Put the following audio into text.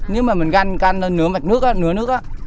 nếu mà mình ganh ganh nó nửa mạch nước á nửa nước á